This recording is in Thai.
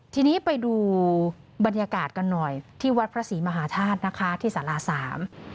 ทีนี้ไปดูบรรยากาศกันหน่อยที่วัดพระศรีมหาธาตุนะคะที่สาราสาม